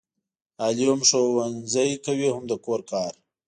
علي هم ښوونځی کوي هم د کور کار.